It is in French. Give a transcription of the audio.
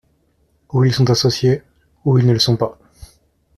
Ou ils sont associés, ou ils ne le sont pas.